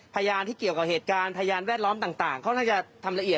พยานที่เกี่ยวกับเหตุการณ์พยานแวดล้อมต่างเขาน่าจะทำละเอียด